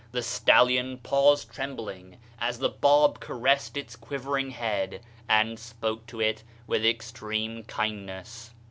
The stallion paused trembling, as the Bab caressed its quivering head, and spoke to it with extreme kindness.